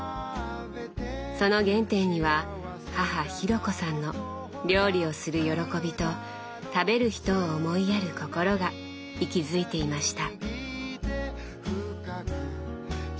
その原点には母紘子さんの料理をする喜びと食べる人を思いやる心が息づいていました。